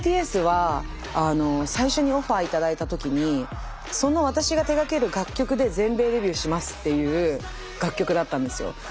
ＢＴＳは最初にオファー頂いた時にその私が手がける楽曲で全米デビューしますっていう楽曲だったんですよ。